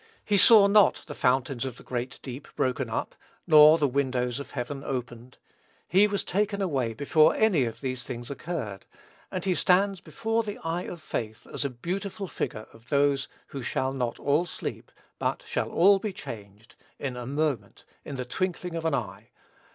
He saw not "the fountains of the great deep broken up," nor "the windows of heaven opened." He was taken away before any of these things occurred; and he stands before the eye of faith as a beautiful figure of those, "who shall not all sleep, but shall all be changed, in a moment, in the twinkling of an eye."